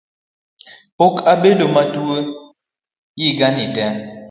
Pok abedo matuo yiga ni tee